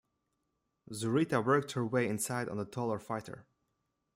Zurita worked her way inside on the taller fighter.